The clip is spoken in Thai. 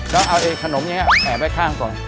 แล้วเอาขนมอย่างนี้แอบไว้ข้างก่อน